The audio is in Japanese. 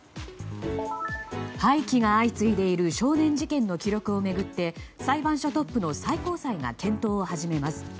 廃棄が相次いでいる少年事件の記録を巡って裁判所特区の最高裁が検討を始めます。